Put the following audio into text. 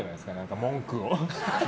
文句を。